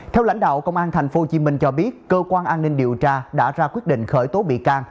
theo lãnh đạo công an tp hcm cho biết cơ quan an ninh điều tra đã ra quyết định khởi tố bị can